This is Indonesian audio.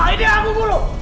ini aku guru